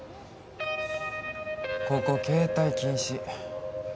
ここ携帯禁止。